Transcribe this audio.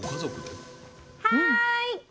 はい！